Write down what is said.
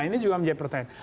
ini juga menjadi pertanyaan